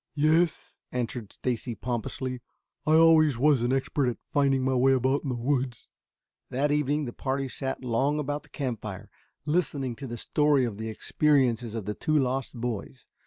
"Yes," answered Stacy pompously. "I always was an expert at finding my way about in the woods." That evening the party sat long about the campfire, listening to the story of the experiences of the two lost boys.